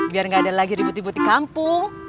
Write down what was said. biar nggak ada lagi ributi ributi kampung